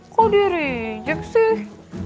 kok dia reject sih